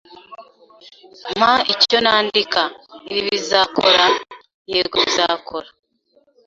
"Mpa icyo nandika." "Ibi bizakora?" "Yego, bizakora."